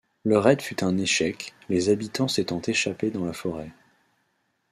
Le raid fut un échec, les habitants s'étant échappé dans la forêt.